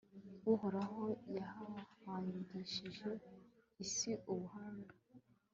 uhoraho yahangishije isi ubuhanga